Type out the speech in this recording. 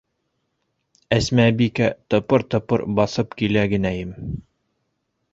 Әсмәбикә тыпыр-тыпыр баҫып килә генәйем...